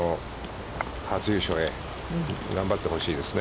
初優勝へ、頑張ってほしいですね。